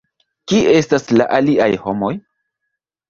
Kie estas la aliaj homoj?